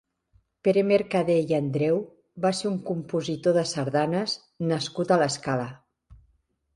Pere Mercader i Andreu va ser un compositor de sardanes nascut a l'Escala.